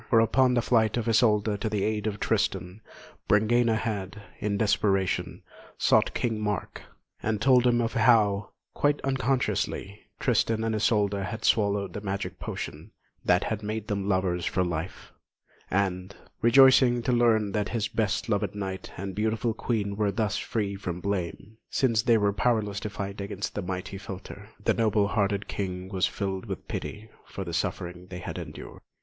For upon the flight of Isolda to the aid of Tristan, Brangæna had, in desperation, sought King Mark, and told him of how, quite unconsciously, Tristan and Isolda had swallowed the magic potion that had made them lovers for life; and, rejoicing to learn that his best loved knight and beautiful Queen were thus free from blame, since they were powerless to fight against the mighty philtre, the noble hearted King was filled with pity for the sufferings they had endured.